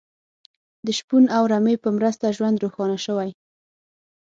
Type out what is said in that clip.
د شپون او رمې په مرسته ژوند روښانه شوی.